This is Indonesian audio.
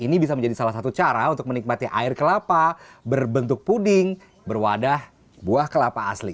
ini bisa menjadi salah satu cara untuk menikmati air kelapa berbentuk puding berwadah buah kelapa asli